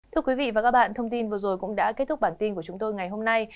thưa quý vị và các bạn thông tin vừa rồi cũng đã kết thúc bản tin của chúng tôi ngày hôm nay